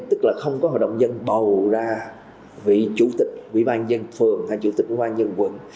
tức là không có hội đồng nhân bầu ra vị chủ tịch vị ban nhân phường hay chủ tịch vị ban nhân quận